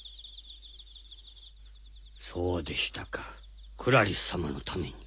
そうでしたかクラリスさまのために。